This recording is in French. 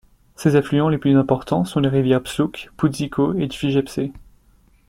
Ses affluents les plus importants sont les rivières Psloukh, Poudziko et Tchvijepsé.